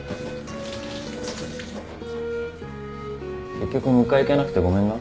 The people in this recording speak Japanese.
結局迎え行けなくてごめんな。